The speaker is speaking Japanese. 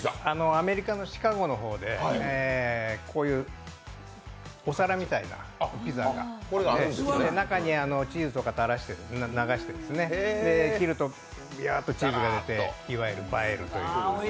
アメリカのシカゴの方で、こういうお皿みたいなピザがあって、中にチーズとかを流して、切るとビャーっとチーズが出ていわゆる映えるという。